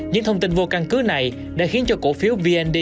những thông tin vô căn cứ này đã khiến cho cổ phiếu vnd